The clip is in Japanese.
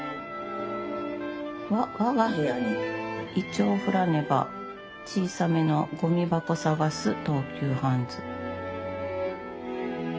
「我が部屋に銀杏降らねば小さめのゴミ箱探す東急ハンズ」。